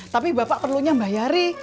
tapi bapak perlunya bayari